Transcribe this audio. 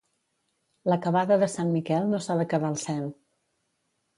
La cavada de Sant Miquel no s'ha de quedar al cel.